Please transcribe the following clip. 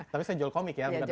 tapi saya jual komik ya